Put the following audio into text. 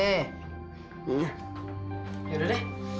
selain kidik pundit frog